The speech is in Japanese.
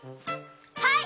はい！